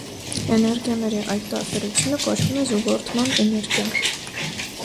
Էներգիաների այդ տարբերությունը կոչվում է զուգորդման էներգիա։